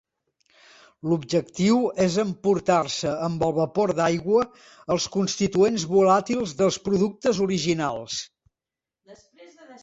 L'objectiu és emportar-se amb el vapor d'aigua els constituents volàtils dels productes originals.